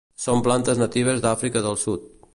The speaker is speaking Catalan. Són plantes natives d'Àfrica del Sud.